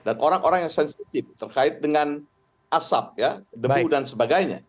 dan orang orang yang sensitif terkait dengan asap ya debu dan sebagainya